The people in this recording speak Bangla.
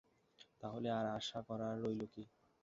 তাহলে আর আশা করার রইল কী?